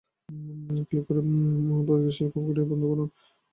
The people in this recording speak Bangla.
ক্লিক করে আপনি প্রতিক্রিয়াশীল উইকিপিডিয়া-নিবন্ধ পাবেন।